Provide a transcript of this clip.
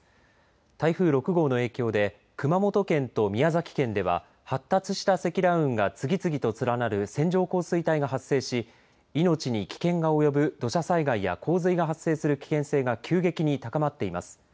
台風６号の影響で熊本県と宮崎県では発達した積乱雲が次々と連なる線状降水帯が発生し命に危険が及ぶ土砂災害や洪水が発生する危険性が急激に高まっています。